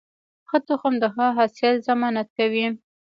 ښه تخم د ښه حاصل ضمانت کوي.